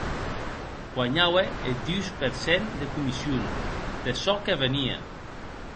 Guanhaue eth dus per cent de comission de çò que venie.